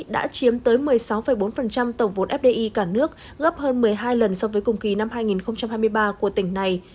đã chiếm tới một mươi sáu bốn tổng vốn fdi cả nước gấp hơn một mươi hai lần so với cùng kỳ năm hai nghìn hai mươi ba của tỉnh này